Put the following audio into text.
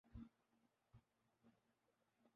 یہ فیصلہ بھی گزشتہ دو سال میں